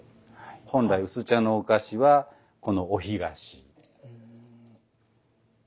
本来薄茶のお菓子はこのお干菓子。